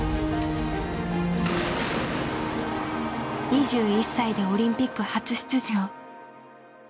２１歳でオリンピック初出場。